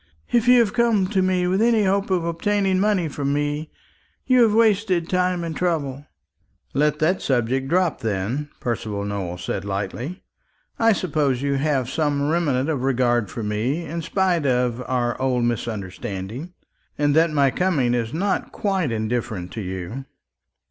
If you have come to me with any hope of obtaining money from me, you have wasted time and trouble." "Let that subject drop, then," Percival Nowell said lightly. "I suppose you have some remnant of regard for me, in spite of our old misunderstanding, and that my coming is not quite indifferent to you."